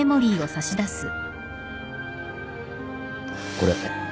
これ